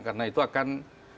karena itu akan